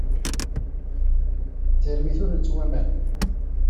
D tarmit ur nettwaman.